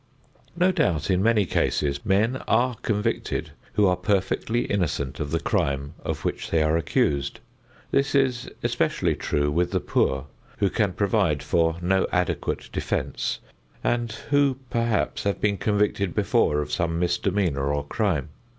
No doubt, in many cases, men are convicted who are perfectly innocent of the crime of which they are accused. This is especially true with the poor who can provide for no adequate defense and who perhaps have been convicted before of some misdemeanor or crime.